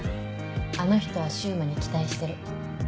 あの人は柊磨に期待してる。